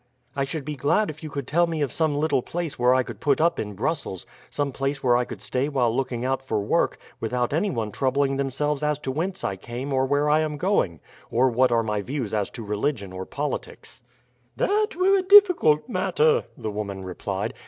"I should be glad if you could tell me of some little place where I could put up in Brussels; some place where I could stay while looking out for work, without anyone troubling themselves as to whence I came or where I am going, or what are my views as to religion or politics." "That were a difficult matter," the woman replied.